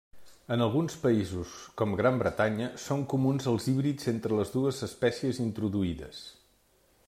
En alguns països, com Gran Bretanya, són comuns els híbrids entre les dues espècies introduïdes.